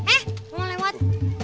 eh mau lewat